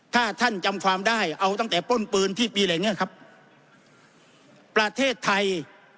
ถ้าท่านจำความได้เอาตั้งแต่ต้นปืนที่ปีอะไรอย่างเงี้ยครับประเทศไทย